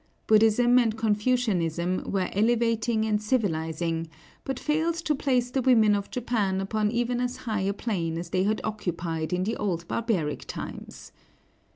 Buddhism and Confucianism were elevating and civilizing, but failed to place the women of Japan upon even as high a plane as they had occupied in the old barbaric times.